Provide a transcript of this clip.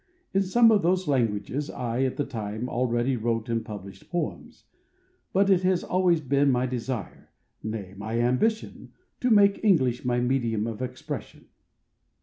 In some of those languages I, at that time, already wrote and published poems, but it has always been my desire — nay, my ambi¬ tion— to make English my medium of expression.